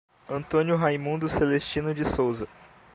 Antônio Raimundo Celestino de Souza